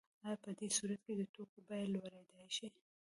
آیا په دې صورت کې د توکي بیه لوړیدای شي؟